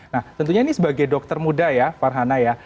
nah tentunya ini sebagai dokter muda ya farhana ya